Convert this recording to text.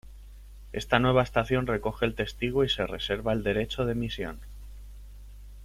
Esta nueva estación recoge el testigo y se reserva el derecho de emisión.